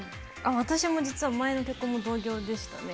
私も実は、前の結婚も同業でしたね。